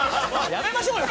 やめましょうよ！